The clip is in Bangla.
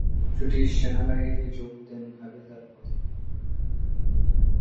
বৃটিশ সেনাবাহিনীতে যোগ দেন হাবিলদার পদে।